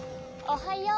おはよう！